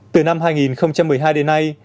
từ năm hai nghìn một mươi hai đến nay